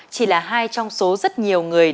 chỉ là hai trong số rất nhiều người